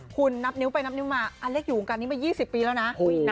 คุณนับนิ้วไปนับนิ้วมาอเล็กอยู่วงการนี้มา๒๐ปีแล้วนะ